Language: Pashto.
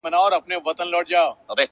داده چا ښكلي ږغ كي ښكلي غوندي شعر اورمه,